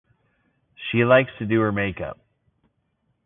She likes to do her makeup.